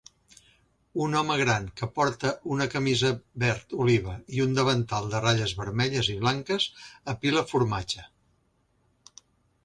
Un home gran que porta una camisa verd oliva i un davantal de ratlles vermelles i blanques apila formatge.